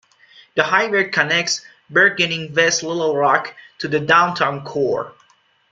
The highway connects burgeoning West Little Rock to the downtown core.